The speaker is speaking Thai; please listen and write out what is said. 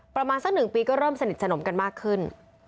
ประมาณสัก๑ปีก็เริ่มสนิทสนมกันมากขึ้น